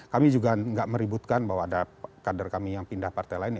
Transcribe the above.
kami juga tidak meributkan bahwa ada kader kami yang pindah partai lain